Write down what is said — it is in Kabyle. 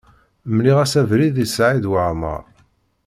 Mliɣ-as abrid i Saɛid Waɛmaṛ.